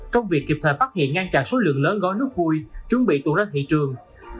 trong việc kịp thời phát hiện ngăn chặn số lượng lớn gói nước vui chuẩn bị tụ ra thị trường